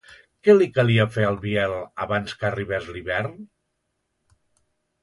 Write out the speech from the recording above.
Què li calia fer al Biel abans que arribés l'hivern?